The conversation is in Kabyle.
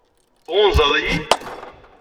Tɣunzaḍ-iyi?